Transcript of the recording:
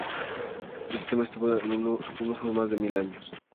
El sistema estuvo en uso más de mil años.